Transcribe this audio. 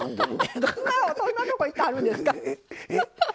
どんなとこ行ってはるんですか。